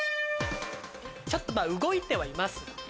ちょっと動いてはいます。